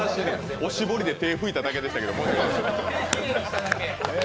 おしぼりで手拭いただけでしたけども。